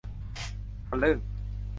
ทะลึ่ง